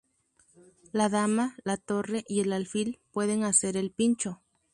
La dama, la torre y el alfil pueden hacer el pincho.